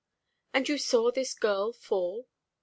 "And you saw this girl fall?"